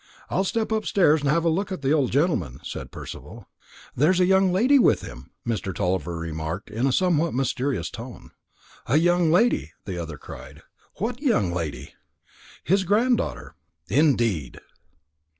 "I'll step upstairs and have a look at the old gentleman," said Percival. "There's a young lady with him," Mr. Tulliver remarked, in a somewhat mysterious tone. "A young lady!" the other cried. "What young lady?" "His granddaughter." "Indeed!"